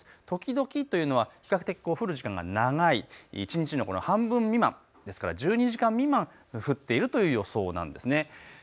時々というのは比較的、降る時間が長い、一日の半分未満ですから１２時間未満、降っているという予想なんです。